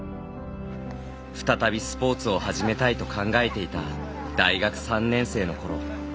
再びスポーツを始めたいと考えていた大学３年生のころ